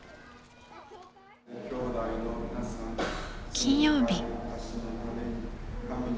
金曜日。